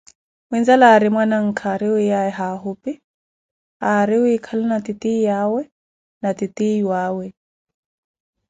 Muinzala arri mwananka ari wiyaye hahupi aari wikhalana titiyawe na titiyuawe